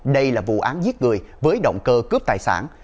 đây là vụ án giết người với động cơ cướp tài sản